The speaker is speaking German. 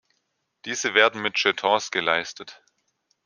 Diese werden mit Jetons geleistet.